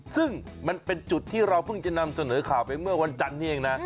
ซึ่งมันเป็นจุดที่เราเพิ่งจะนำเสนอข่าวไปเมื่อวันจันทร์นี้เองนะ